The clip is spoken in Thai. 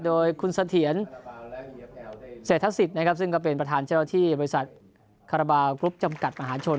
โดยคุณเสถียรเศรษฐศิษย์นะครับซึ่งก็เป็นประธานเจ้าหน้าที่บริษัทคาราบาลกรุ๊ปจำกัดมหาชน